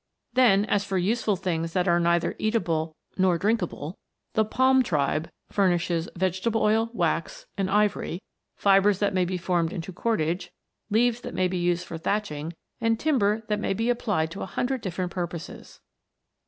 Then, as for useful things that are neither eatable nor drinkable, the palm tribe furnishes vegetable oil, wax, and ivory, fibres that may be formed into cordage, leaves that may be used for thatching, and timber that may be applied to a hundred different purposes. WONDERFUL PLANTS.